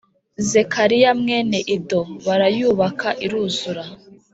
Zekariya mwene Ido Barayubaka iruzura